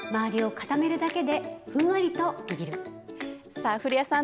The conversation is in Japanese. さあ、古谷さん